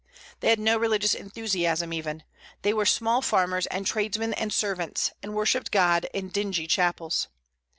They had no religious enthusiasm even; they were small farmers and tradesmen and servants, and worshipped God in dingy chapels.